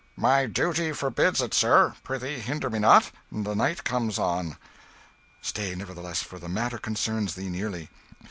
"My duty forbids it, sir; prithee hinder me not, the night comes on." "Stay, nevertheless, for the matter concerns thee nearly.